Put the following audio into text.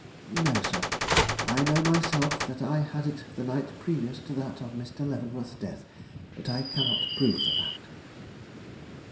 "No, sir; I know myself that I had it the night previous to that of Mr. Leavenworth's death; but I cannot prove the fact."